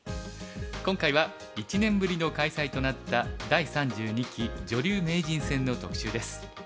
今回は１年ぶりの開催となった第３２期女流名人戦の特集です。